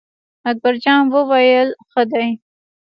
اکبر جان وویل: ښه دی.